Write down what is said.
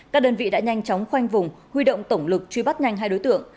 các đơn vị đã nhanh chóng khoanh vùng huy động tổng lực truy bắt nhanh hai đối tượng